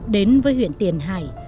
đến với huyện tiền hải